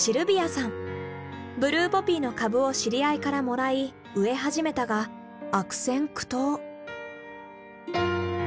ブルーポピーの株を知り合いからもらい植え始めたが悪戦苦闘。